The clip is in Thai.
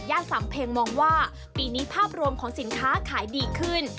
สำเพ็งมองว่าปีนี้ภาพรวมของสินค้าขายดีขึ้น